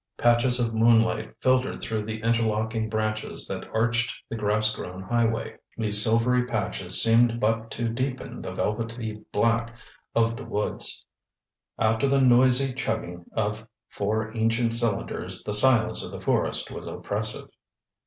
Patches of moonlight filtered through interlocking branches that arched the grassgrown highway. These silvery patches seemed but to deepen the velvety black of the woods. After the noisy chugging of four ancient cylinders the silence of the forest was oppressive.